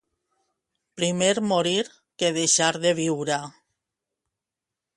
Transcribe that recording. Primer morir que deixar de viure.